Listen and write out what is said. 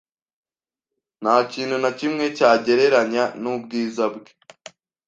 Ntakintu nakimwe cyagereranya nubwiza bwe